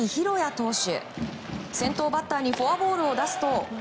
投手。